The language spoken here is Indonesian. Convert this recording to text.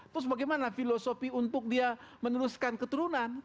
terus bagaimana filosofi untuk dia meneruskan keturunan